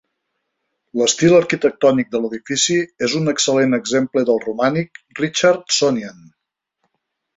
L'estil arquitectònic de l'edifici és un excel·lent exemple del romànic Richardsonian.